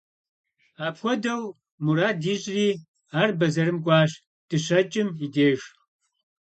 Апхуэдэу мурад ищӀри, ар бэзэрым кӀуащ дыщэкӀым и деж.